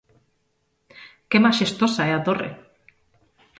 Que maxestosa é a Torre.